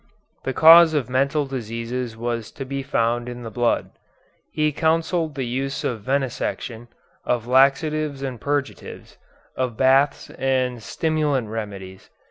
The cause of mental diseases was to be found in the blood. He counselled the use of venesection, of laxatives and purgatives, of baths and stimulant remedies.